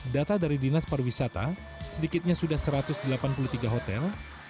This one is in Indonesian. data dari dinas pariwisata sedikitnya sudah satu ratus delapan puluh tiga hotel